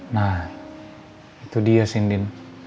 nah itu dia sih indin